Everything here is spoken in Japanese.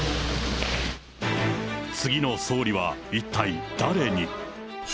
次の総理は一体誰に。